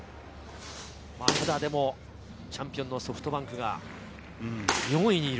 チャンピオンのソフトバンクが４位にいる。